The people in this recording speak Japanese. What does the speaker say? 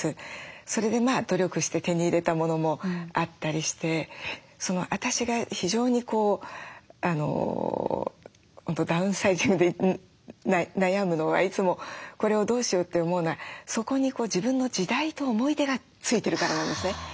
それで努力して手に入れたものもあったりして私が非常にこう本当ダウンサイジングで悩むのはいつもこれをどうしようって思うのはそこに自分の時代と思い出がついてるからなんですね。